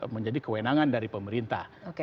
menjadi kewenangan dari pemerintah